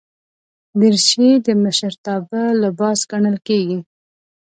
دریشي د مشرتابه لباس ګڼل کېږي.